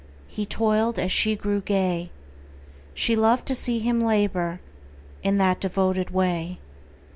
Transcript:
He toiled as she grew gay. She loved to see him labor In that devoted way.